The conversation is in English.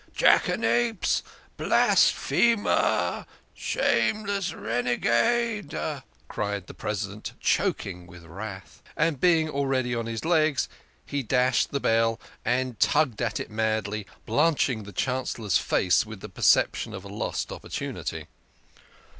"Jackanapes ! Blasphemer ! Shameless renegade !" cried the President, choking with wrath. And being already on his legs, he dashed to the bell and tugged at it madly, blanching the Chancellor's face with the perception of a lost opportunity.